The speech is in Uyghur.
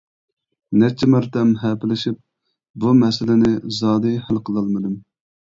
نەچچە مەرتەم ھەپىلىشىپ بۇ مەسىلىنى زادى ھەل قىلالمىدىم.